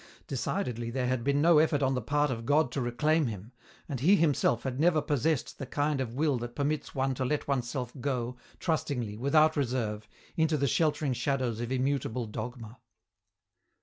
Decidedly there had been no effort on the part of God to reclaim him, and he himself had never possessed the kind of will that permits one to let oneself go, trustingly, without reserve, into the sheltering shadows of immutable dogma.